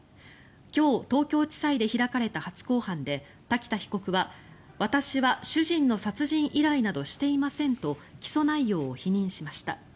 今日、東京地裁で開かれた初公判で瀧田被告は、私は主人の殺人依頼などしていませんと起訴内容を否認しました。